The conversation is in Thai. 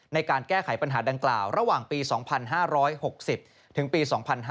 ในการแก้ไขปัญหาดังกล่าวระหว่างปี๒๕๖๐ถึงปี๒๕๕๙